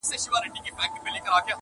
د بېلتون په شپه وتلی مرور جانان به راسي٫